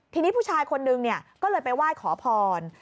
ทีนี้ผู้ชายคนนึงก็เลยไปไหว้ขอพร